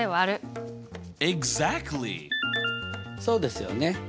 そうですよね。